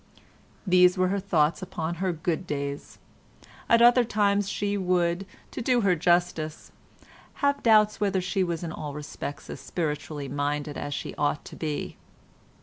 These were her thoughts upon her good days; at other times she would, to do her justice, have doubts whether she was in all respects as spiritually minded as she ought to be.